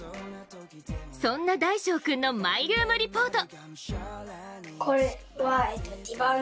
そんな大鐘君のマイルームリポート。